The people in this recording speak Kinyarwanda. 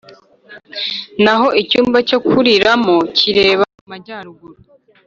Naho icyumba cyo kuriramo kireba mu majyaruguru